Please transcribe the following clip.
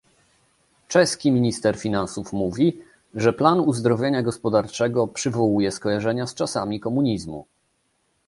Czeski minister finansów mówi, że plan uzdrowienia gospodarczego przywołuje skojarzenia z czasami komunizmu